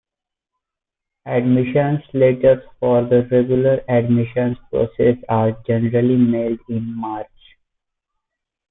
Admissions letters for the regular admissions process are generally mailed in March.